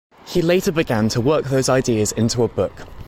He later began to work those ideas into a book.